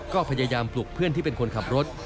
ก็พยายามปลุกเพื่อนที่เป็นคนขับรถ